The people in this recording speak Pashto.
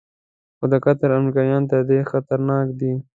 خو د قطر امریکایان تر دې خطرناک دي.